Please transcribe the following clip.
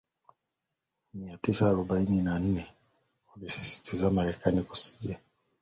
mia tisa arobaini na nne uliosisitiza Marekani kusaidia nchi za Afrika kufikia uhuru baada